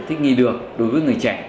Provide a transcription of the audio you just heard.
thích nghi được đối với người trẻ